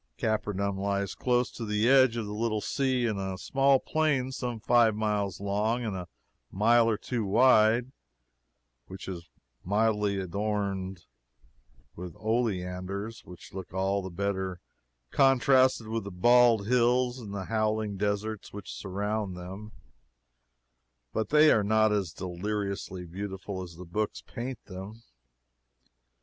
Capernaum lies close to the edge of the little sea, in a small plain some five miles long and a mile or two wide, which is mildly adorned with oleanders which look all the better contrasted with the bald hills and the howling deserts which surround them, but they are not as deliriously beautiful as the books paint them.